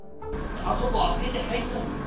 あそこ開けて入ったんだよ。